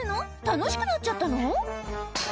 楽しくなっちゃったの？